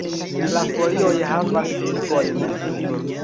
La folioj havas tigojn.